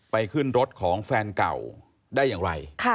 ขึ้นรถของแฟนเก่าได้อย่างไร